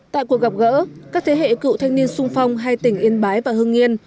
tại cuộc gặp gỡ các thế hệ cựu thanh niên sung phong hai tỉnh yên bái và hương nghiên